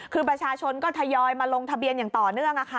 คือประชาชนก็ทยอยมาลงทะเบียนอย่างต่อเนื่อง